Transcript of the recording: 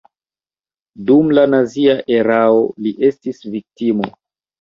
Dum la nazia erao li estis viktimo.